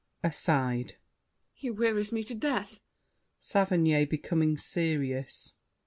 [Aside.] He wearies me to death! SAVERNY (becoming serious).